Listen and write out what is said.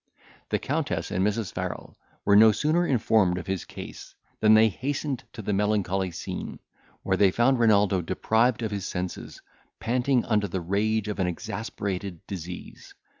The Countess and Mrs. Farrel were no sooner informed of his case than they hastened to the melancholy scene, where they found Renaldo deprived of his senses, panting under the rage of an exasperated disease.